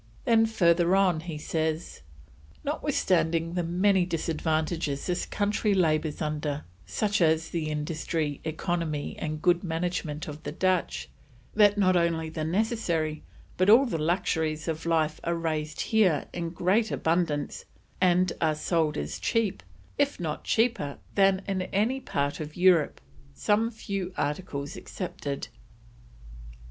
Then further on he says: "Notwithstanding the many disadvantages this country labours under, such is the industry, economy, and good management of the Dutch, that not only the necessary, but all the Luxuries of Life are raised here in great abundance, and are sold as cheap, if not cheaper, than in any part of Europe, some few articles excepted."